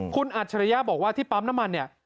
คุณอัจฉริยะบอกว่าที่ปั๊มน้ำมันเนี่ย